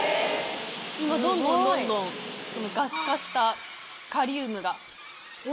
今どんどんどんどんガス化したカリウムが。